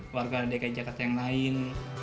warga dki jakarta yang lain